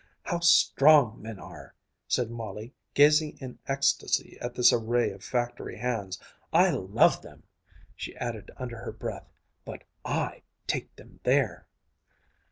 "How strong men are!" said Molly, gazing in ecstasy at this array of factory hands. "I love them!" She added under her breath, "But I take them there!"